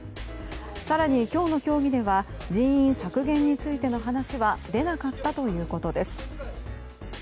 更に今日の協議では人員削減についての話は出なかったということです。